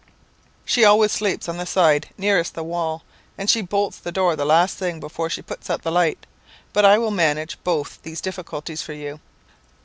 "'She always sleeps on the side nearest the wall and she bolts the door the last thing before she puts out the light. But I will manage both these difficulties for you.